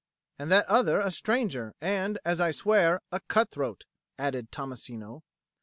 "And that other a stranger, and, as I swear, a cut throat," added Tommasino.